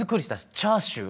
えチャーシュー⁉